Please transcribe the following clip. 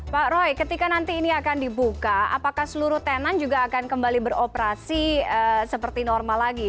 pak roy ketika nanti ini akan dibuka apakah seluruh tenan juga akan kembali beroperasi seperti normal lagi